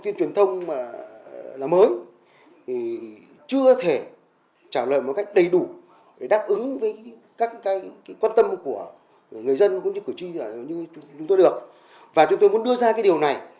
vậy thì theo tôi thì